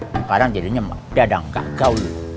sekarang jadinya mada dan nggak gaul